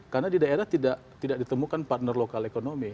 karena di daerah tidak ditemukan partner lokal ekonomi